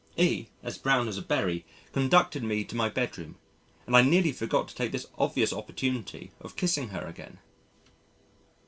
E , as brown as a berry, conducted me to my bedroom and I nearly forgot to take this obvious opportunity of kissing her again.